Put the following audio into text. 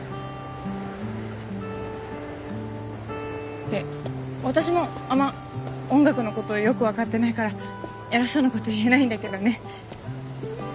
って私もあんま音楽のことよく分かってないから偉そうなこと言えないんだけどね。